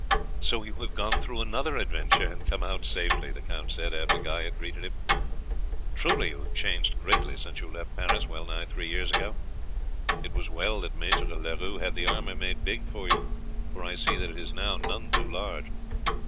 "So you have gone through another adventure and come out safely," the count said after Guy had greeted him. "Truly you have changed greatly since you left Paris, well nigh three years ago. It was well that Maître Leroux had the armour made big for you, for I see that it is now none too large.